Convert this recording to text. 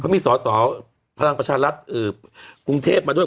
เขามีสอสองพลังประชารรัฐเอ่อกรุงเทพมาด้วย